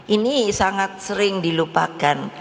ini sangat sering dilupakan